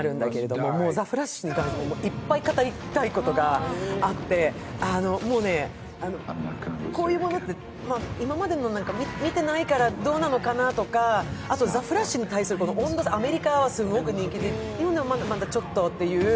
もう「ザ・フラッシュ」はいっぱい語りたいことがあって、もうこういうものって今まで見てないからどうなのかなとか、「ザ・フラッシュ」に対する温度差、アメリカはすごく人気だけど、日本ではまだちょっとっていう。